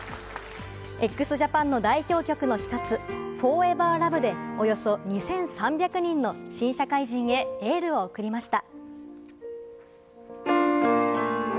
ＸＪＡＰＡＮの代表曲の一つ、『ＦｏｒｅｖｅｒＬｏｖｅ』でおよそ２３００人の新社会人へ、エールを送りました。